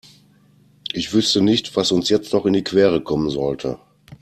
Ich wüsste nicht, was uns jetzt noch in die Quere kommen sollte.